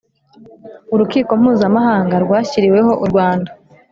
urukiko mpuzamahanga rwashyiriweho u rwanda.